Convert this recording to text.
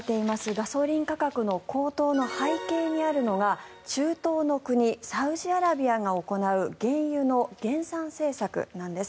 ガソリン価格の高騰の背景にあるのが中東の国、サウジアラビアが行う原油の減産政策なんです。